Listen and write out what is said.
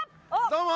どうも！